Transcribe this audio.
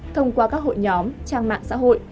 thông qua các hội nhóm trang mạng xã hội